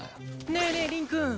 ねえねえ凛くん！